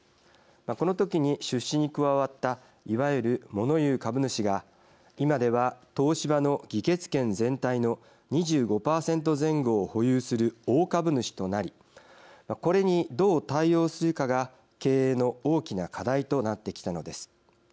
この時に出資に加わったいわゆる、もの言う株主が今では東芝の議決権全体の２５％前後を保有する大株主となりこれに、どう対応するかが経営の大きな課題となってきたのです。